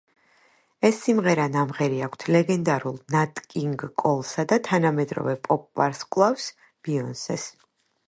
ეს სიმღერა ნამღერი აქვთ ლეგენდარულ ნატ კინგ კოლსა და თანამედროვე პოპ ვარსკვლავს ბიონსეს.